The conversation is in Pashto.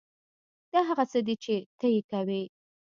دا هغه څه دي چې ته یې کوې